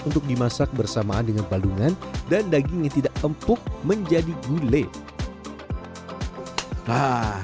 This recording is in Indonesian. untuk dimasak bersamaan dengan palungan dan daging yang tidak empuk menjadi gulai nah